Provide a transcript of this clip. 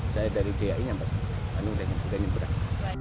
saya dari d a i nyebrang